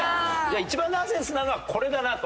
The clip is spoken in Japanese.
一番ナンセンスなのはこれだなと。